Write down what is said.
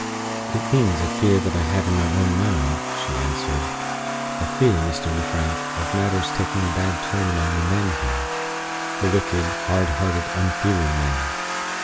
"It means a fear that I have in my own mind," she answered "a fear, Mr. Lefrank, of matters taking a bad turn among the men here the wicked, hard hearted, unfeeling men.